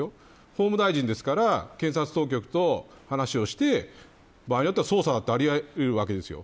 法務大臣ですから、検察当局と話をして、場合によっては捜査だってありえるわけですよ。